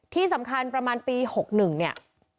ที่สำคัญประมาณปี๖๑เนี่ย